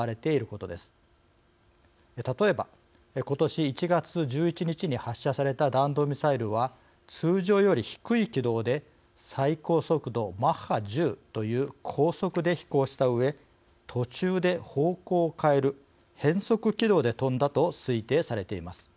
例えば今年１月１１日に発射された弾道ミサイルは通常より低い軌道で最高速度マッハ１０という高速で飛行したうえ途中で方向を変える変則軌道で飛んだと推定されています。